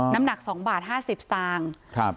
น้ำหนัก๒บาท๕๐สตางค์